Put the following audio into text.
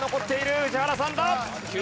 宇治原さんだ！